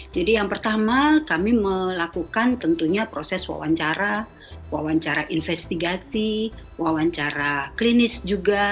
jadi yang pertama kami melakukan tentunya proses wawancara wawancara investigasi wawancara klinis juga